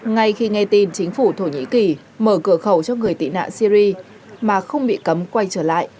ngay khi nghe tin chính phủ thổ nhĩ kỳ mở cửa khẩu cho người tị nạn syri mà không bị cấm quay trở lại